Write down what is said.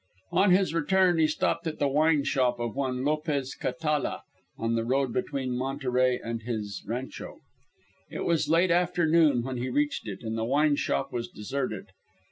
On his return he stopped at the wine shop of one Lopez Catala, on the road between Monterey and his rancho. It was late afternoon when he reached it, and the wine shop was deserted.